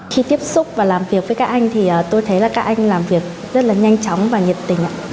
khi tiếp xúc và làm việc với các anh thì tôi thấy là các anh làm việc rất là nhanh chóng và nhiệt tình